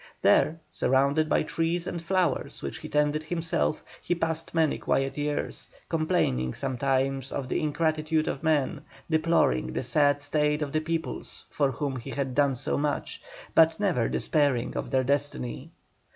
There, surrounded by trees and flowers which he tended himself, he passed many quiet years, complaining sometimes of the ingratitude of men, deploring the sad state of the peoples for whom he had done so much, but never despairing of their destiny.